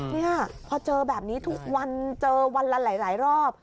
เนี่ยพอเจอแบบนี้ทุกวันเจอวันละหลายรอบ